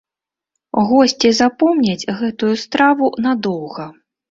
Госці запомняць гэтую страву надоўга.